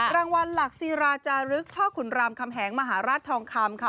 รางวัลหลักศิราจารึกพ่อขุนรามคำแหงมหาราชทองคำค่ะ